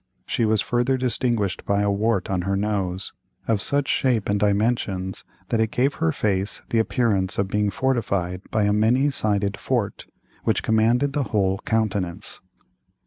She was further distinguished by a wart on her nose of such shape and dimensions that it gave her face the appearance of being fortified by a many sided fort, which commanded the whole countenance.